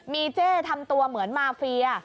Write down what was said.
มีเจ้ทำตัวเหมือนมาเฟีย